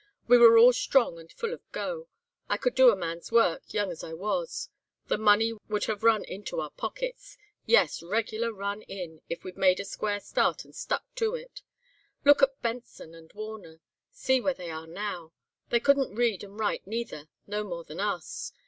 'We were all strong and full of go. I could do a man's work, young as I was; the money would have run into our pockets—yes, regular run in—if we'd made a square start and stuck to it. Look at Benson and Warner, see where they are now! They couldn't read and write neither, no more than us.